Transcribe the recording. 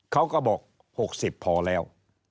เขาก็บอก๖๐พอแล้ว